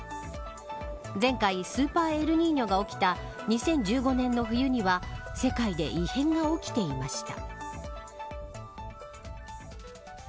前回スーパーエルニーニョが起きた２０１５年の冬には世界で異変が起きていました。